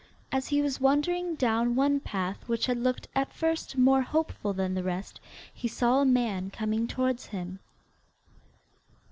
As he was wandering down one path which had looked at first more hopeful than the rest he saw a man coming towards him.